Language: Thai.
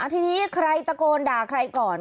ทีนี้ใครตะโกนด่าใครก่อน